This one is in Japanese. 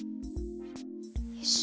よし。